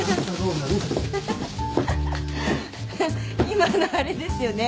今のあれですよね？